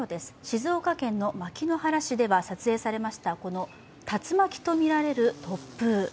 静岡県牧之原市では撮影されました、この竜巻とみられる突風。